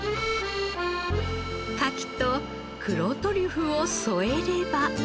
カキと黒トリュフを添えれば。